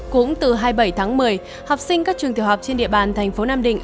cũng từ hai mươi bảy tháng một mươi học sinh các trường tiểu học trên địa bàn thành phố nam định